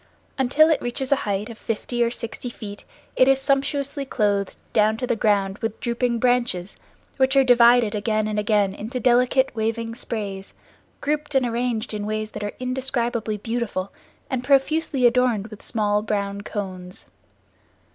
Until it reaches a height of fifty or sixty feet it is sumptuously clothed down to the ground with drooping branches, which are divided again and again into delicate waving sprays, grouped and arranged in ways that are indescribably beautiful, and profusely adorned with small brown cones.